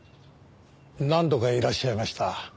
何度かいらっしゃいました。